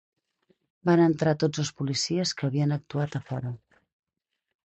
Van entrar tots els policies que havien actuat a fora.